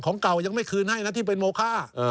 เก่ายังไม่คืนให้นะที่เป็นโมค่า